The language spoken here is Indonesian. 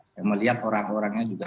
saya melihat orang orangnya juga